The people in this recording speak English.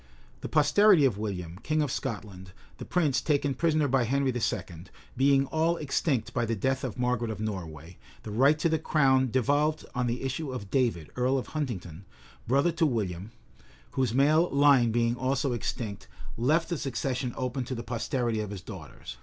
The posterity of William, king of Scotland, the prince taken prisoner by Henry II., being all extinct by the death of Margaret of Norway, the right to the crown devolved on the issue of David, earl of Huntingdon brother to William, whose male line being also extinct, left the succession open to the posterity of his daughters.